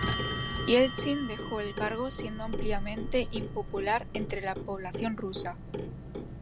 Yeltsin dejó el cargo siendo ampliamente impopular entre la población rusa.